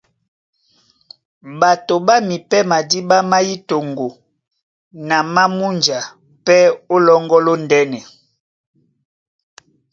Ɓato ɓá mipɛ́ madíɓá má yí toŋgo na má múnja pɛ́ ó lɔ́ŋgɔ́ lóndɛ́nɛ.